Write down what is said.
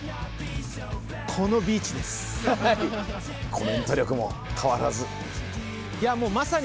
コメント力も変わらず。